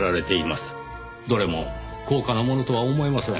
どれも高価なものとは思えません。